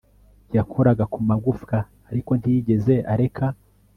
yakoraga ku magufwa, ariko ntiyigeze areka